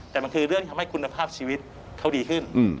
แต่มันคือเรื่องที่ทำให้คุณภาพชีวิตเขาดีขึ้น